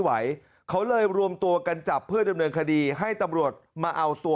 ไหวเขาเลยรวมตัวกันจับเพื่อดำเนินคดีให้ตำรวจมาเอาตัว